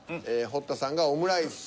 堀田さんが「オムライス」。